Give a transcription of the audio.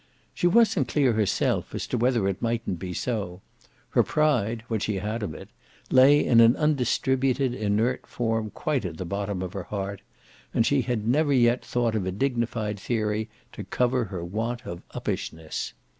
She wasn't clear herself as to whether it mightn't be so; her pride, what she had of it, lay in an undistributed inert form quite at the bottom of her heart, and she had never yet thought of a dignified theory to cover her want of uppishness.